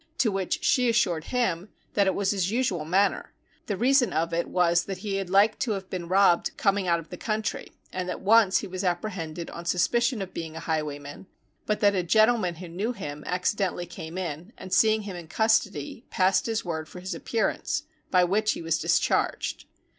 To which she assured him that it was his usual manner; the reason of it was that he had like to have been robbed coming out of the country, and that once he was apprehended on suspicion of being an highwayman, but that a gentleman who knew him, accidentally came in, and seeing him in custody, passed his word for his appearance, by which he was discharged.